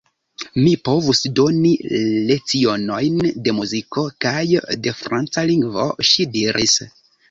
Mi povus doni lecionojn de muziko kaj de franca lingvo, ŝi diris.